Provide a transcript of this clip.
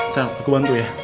sam aku bantu ya